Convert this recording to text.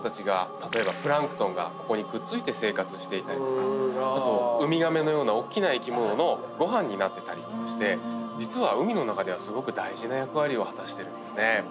例えばプランクトンがここにくっついて生活していたりとかウミガメのようなおっきな生き物のご飯になってたりとかして実は海の中ではすごく大事な役割を果たしてるんですね。